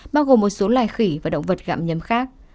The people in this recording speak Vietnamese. bao gồm một số loài khỉ và động vật gạm nhấm khác